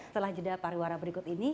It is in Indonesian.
setelah jeda pariwara berikut ini